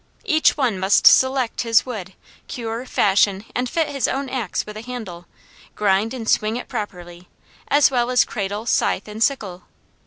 Each one must select his wood, cure, fashion, and fit his own ax with a handle, grind and swing it properly, as well as cradle, scythe and sickle.